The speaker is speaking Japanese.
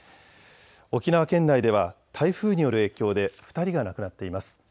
沖縄県内では台風による影響で２人が亡くなっています。